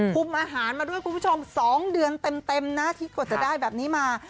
อาหารมาด้วยคุณผู้ชม๒เดือนเต็มนะที่กว่าจะได้แบบนี้มา